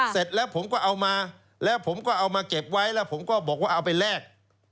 เสร็จแล้วผมก็เอามาแล้วผมก็เอามาเก็บไว้แล้วผมก็บอกว่าเอาไปแลก